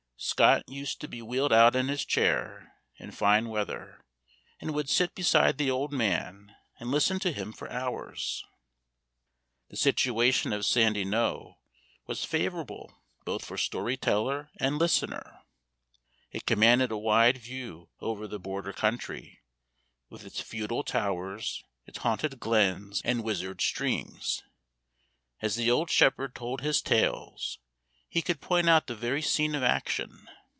Scott used to be wheeled out in his chair, in fine weather, and would sit beside the old man, and listen to him for hours. The situation of Sandy Knowe was favorable both for storyteller and listener. It commanded a wide view over all the border country, with its feudal towers, its haunted glens, and wizard streams. As the old shepherd told his tales, he could point out the very scene of action.